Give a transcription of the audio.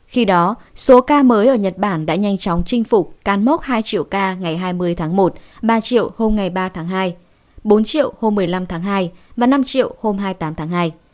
khi đó số ca mới ở nhật bản đã nhanh chóng chinh phục cán mốc hai triệu ca ngày hai mươi tháng một ba triệu hôm ba tháng hai bốn triệu hôm một mươi năm tháng hai và năm triệu hôm hai mươi tám tháng hai